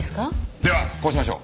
ではこうしましょう！